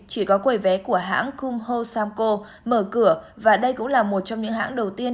chỉ có quầy vé của hãng com hosamco mở cửa và đây cũng là một trong những hãng đầu tiên